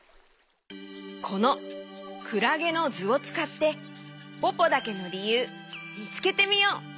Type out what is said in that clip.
このクラゲのずをつかってポポだけのりゆうみつけてみよう！